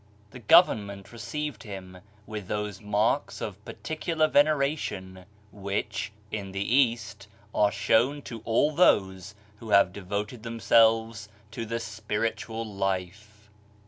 The government received him with those marks of particular veneration which, in the East, are shown to all those who have devoted themselves to the spiritual life.